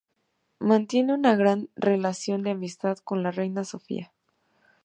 Mantiene una gran relación de amistad con la reina Sofía.